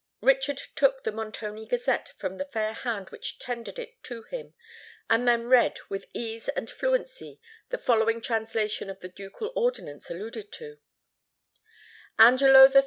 Richard took the Montoni Gazette from the fair hand which tendered it to him, and then read, with ease and fluency, the following translation of the ducal ordinance alluded to:— "ANGELO III.